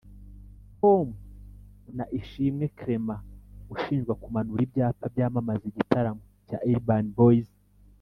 com yagiranye na Ishimwe Clement ushinjwa kumanura ibyapa byamamaza igitaramo cya Urban Boys